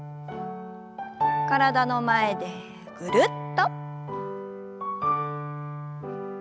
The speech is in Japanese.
体の前でぐるっと。